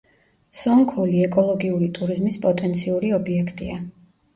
სონქოლი ეკოლოგიური ტურიზმის პოტენციური ობიექტია.